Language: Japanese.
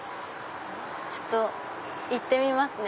ちょっと行ってみますね。